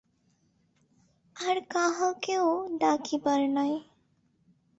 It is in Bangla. আর কাহাকেও ডাকিবার নাই ।